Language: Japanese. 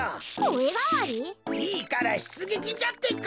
いいからしゅつげきじゃってか！